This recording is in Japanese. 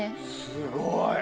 すごい！